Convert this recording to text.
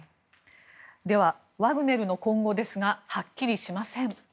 ではワグネルの今後ですがはっきりしません。